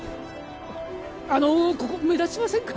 あのここ目立ちませんか？